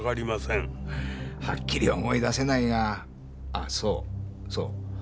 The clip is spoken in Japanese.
はっきり思い出せないがあっそうそう。